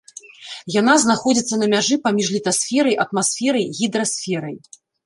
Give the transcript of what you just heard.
Яна знаходзіцца на мяжы паміж літасферай, атмасферай, гідрасферай.